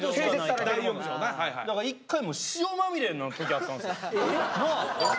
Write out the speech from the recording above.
だから一回塩まみれの時あったんですよ。なあ？